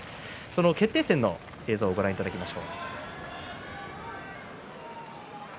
その決定戦の映像をご覧いただきます。